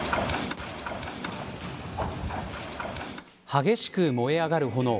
激しく燃え上がる炎。